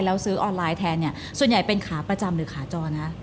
แล้วซื้อออนไลน์แทนเนี่ยส่วนใหญ่เป็นขาประจำหรือขาจอนะ